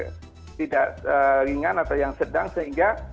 yang tidak ringan atau yang sedang sehingga